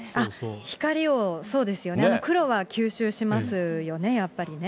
光を、そうですよね、黒は吸収しますよね、やっぱりね。